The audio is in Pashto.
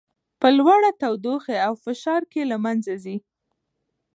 په لوړه تودوخې او فشار کې له منځه ځي.